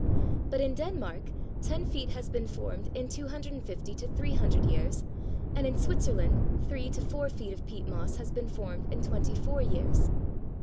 But in Denmark ten feet has been formed in 250 to 300 years, and in Switzerland three to four feet of peat moss has been formed in twenty four years.